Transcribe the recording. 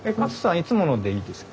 いつものでいいですか？